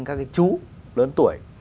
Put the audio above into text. các cái chú lớn tuổi